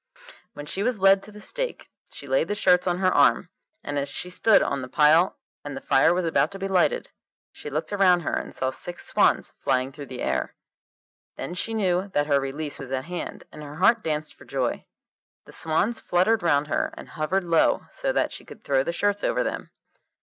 When she was led to the stake, she laid the shirts on her arm, and as she stood on the pile and the fire was about to be lighted, she looked around her and saw six swans flying through the air. Then she knew that her release was at hand and her heart danced for joy. The swans fluttered round her, and hovered low so that she could throw the shirts over them.